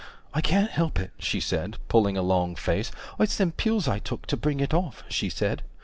I can't help it, she said, pulling a long face, It's them pills I took, to bring it off, she said.